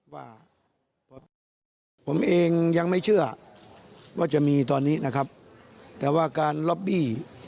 ว่าผมเองยังไม่เชื่อว่าจะมีตอนนี้นะครับแต่ว่าการล็อบบี้